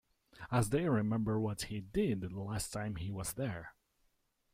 As they remember what he did the last time he was there.